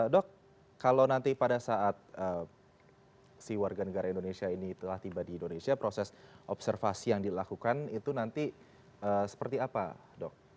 dok kalau nanti pada saat si warga negara indonesia ini telah tiba di indonesia proses observasi yang dilakukan itu nanti seperti apa dok